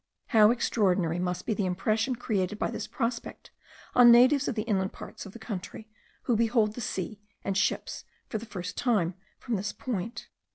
How extraordinary must be the impression created by this prospect on natives of the inland parts of the country, who behold the sea and ships for the first time from this point.